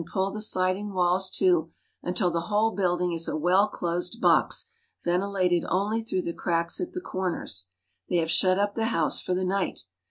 56 JAPAN pull the sliding walls to, until the whole building is a well closed box ventilated only through the cracks at the corners. They have shut up the house for the night.